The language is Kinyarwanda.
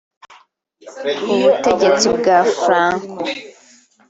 Ku butegetsi bwa Franco